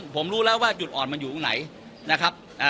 ผมรู้แล้วว่าจุดอ่อนมันอยู่ตรงไหนนะครับ